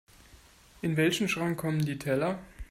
In welchen Schrank kommen die Teller?